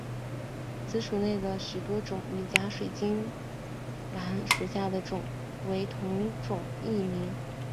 此属内的许多种与假水晶兰属下的种为同种异名。